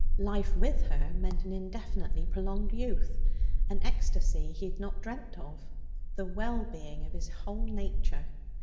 Life with her meant an indefinitely prolonged youth, an ecstasy he had not dreamt of, the well being of his whole nature.